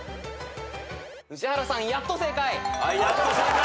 宇治原さんやっと正解。